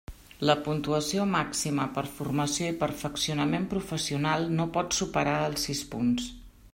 La puntuació màxima per formació i perfeccionament professional no pot superar els sis punts.